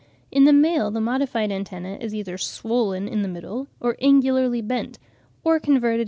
In the male the modified antenna is either swollen in the middle or angularly bent, or converted (Fig.